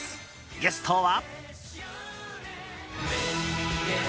ゲストは。